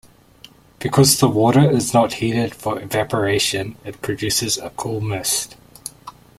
Because the water is not heated for evaporation, it produces a cool mist.